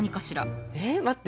え待って。